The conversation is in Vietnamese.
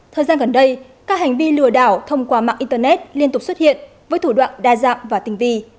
thời gian gần đây các hành vi lừa đảo thông qua mạng internet liên tục xuất hiện với thủ đoạn đa dạng và tình vi